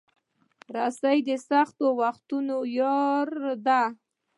رسۍ د سختو وختونو یار ده.